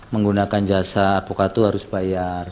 menggunakan jasa advokat itu harus bayar